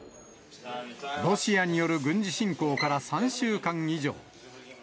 ロシアによる軍事侵攻から３週間以上。